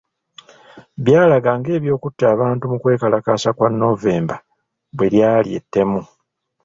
Byalaga ng’ebyokutta abantu mu kwekalakaasa kwa Novemba bwe lyali ettemu .